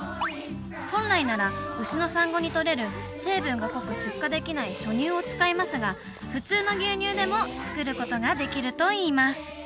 本来なら牛の産後にとれる成分が濃く出荷できない初乳を使いますが普通の牛乳でも作ることができるといいます